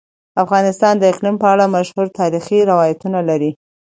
افغانستان د اقلیم په اړه مشهور تاریخی روایتونه لري.